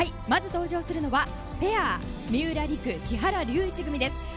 まず登場するのはペア三浦璃来・木原龍一組です。